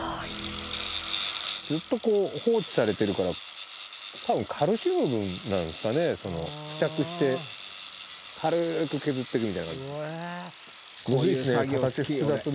ずっと放置されてるから、たぶん、カルシウムなんですかね、付着して、軽ーく削っていくみたいな形です。